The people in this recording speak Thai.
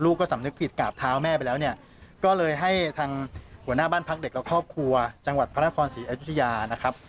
ก็สำนึกผิดกราบเท้าแม่ไปแล้วเนี่ยก็เลยให้ทางหัวหน้าบ้านพักเด็กและครอบครัวจังหวัดพระนครศรีอยุธยานะครับ